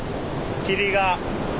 霧が。